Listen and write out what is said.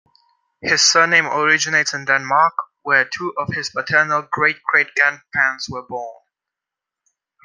His surname originates in Denmark, where two of his paternal great-great-grandparents were born.